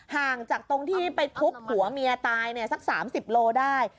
ห่างจากตรงที่ไปทุบหัวเมียตายเนี่ยสักสามสิบโลได้